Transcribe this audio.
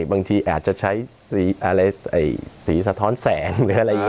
บางทีอาจจะใช้สีอะไรสีสะท้อนแสงหรืออะไรอย่างนี้